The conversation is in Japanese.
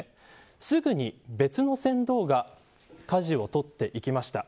すぐに別の船頭がかじを取っていきました。